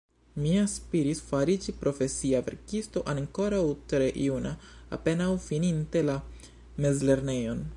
Mi aspiris fariĝi profesia verkisto ankoraŭ tre juna, apenaŭ fininte la mezlernejon.